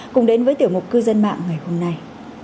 cùng đến với tiểu mục cư dân mạng ngày hôm nay